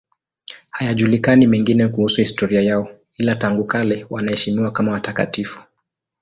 Hayajulikani mengine kuhusu historia yao, ila tangu kale wanaheshimiwa kama watakatifu.